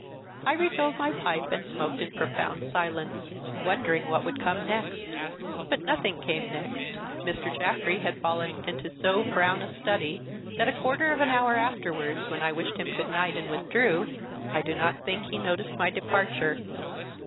I refilled my pipe and smoked in profound silence, wondering what would come next. But nothing came next. Mr. Jaffrey had fallen into so brown a study that, a quarter of an hour afterwards, when I wished him good night and withdrew, I do not think he noticed my departure.